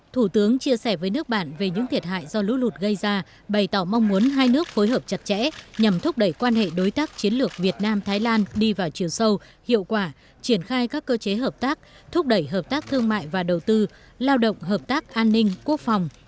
thủ tướng chia sẻ với nước bạn về những thiệt hại do lũ lụt gây ra bày tỏ mong muốn hai nước phối hợp chặt chẽ nhằm thúc đẩy quan hệ đối tác chiến lược việt nam thái lan đi vào chiều sâu hiệu quả triển khai các cơ chế hợp tác thúc đẩy hợp tác thương mại và đầu tư lao động hợp tác an ninh quốc phòng